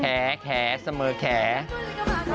แขะแขะเสมอแขะ